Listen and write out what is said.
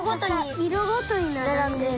いろごとにならんでる。